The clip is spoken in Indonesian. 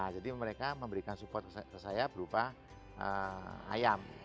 jadi mereka memberikan support ke saya berupa ayam